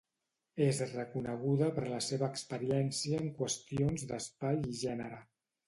És reconeguda per la seva experiència en qüestions d'espai i gènere.